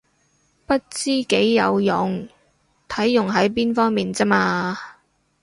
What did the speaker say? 不知幾有用，睇用喺邊方面咋嘛